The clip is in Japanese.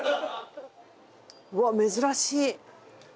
うわっ珍しい。